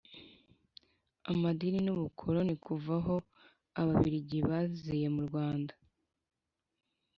amadini n'ubukoloni kuva aho ababiligi baziye mu rwanda,